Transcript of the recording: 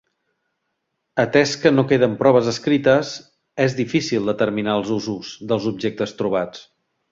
Atès que no queden proves escrites, és difícil determinar els usos dels objectes trobats.